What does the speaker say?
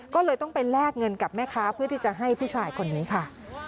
ก็เลยต้องไปแลกเงินกับแม่ค้าเพื่อที่จะให้ผู้ชายคนนี้ค่ะ